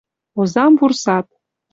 Озам вурсат.